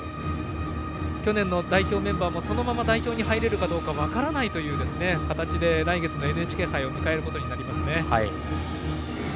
去年の代表メンバーもそのまま代表に入れるか分からないという形で来月のＮＨＫ杯を迎えることになります。